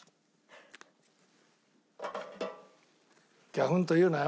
ギャフンと言うなよ